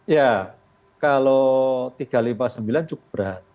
ya kalau tiga ratus lima puluh sembilan cukup berat